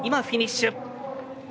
フィニッシュ。